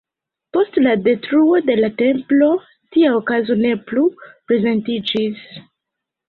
Post la detruo de la Templo tia okazo ne plu prezentiĝis.